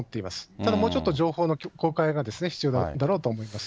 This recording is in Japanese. ただもうちょっと情報の公開が必要だろうと思います。